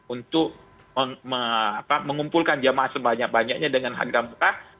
untuk mengumpulkan jamaah sebanyak banyaknya dengan harga muka